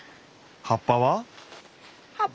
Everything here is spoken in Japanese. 葉っぱは？